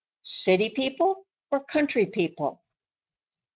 "City people or country people?"